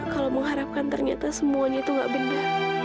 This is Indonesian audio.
kalau mengharapkan ternyata semuanya itu nggak benar